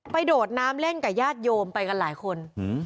โดดน้ำเล่นกับญาติโยมไปกันหลายคน